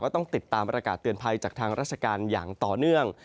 ต้องติดตามประกาศเตือนภัยจากทางราชการอย่างต่อเนื่อง